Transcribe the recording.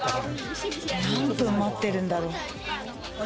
何分待ってるんだろう。